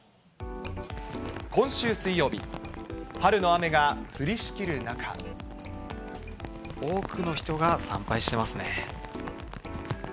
今週水曜日、多くの人が参拝してますね。